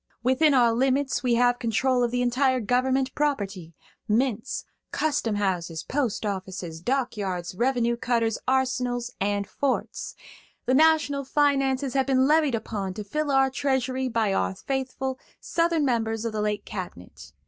Within our limits we have control of the entire government property–mints, custom houses, post offices, dock yards, revenue cutters, arsenals and forts. The national finances have been levied upon to fill our treasury by our faithful Southern members of the late cabinet.